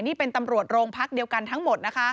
นี่เป็นตำรวจโรงพักเดียวกันทั้งหมดนะคะ